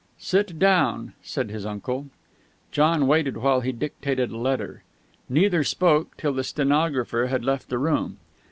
"Sit down," said his uncle. John waited while he dictated a letter. Neither spoke till the stenographer had left the room.